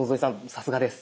さすがです。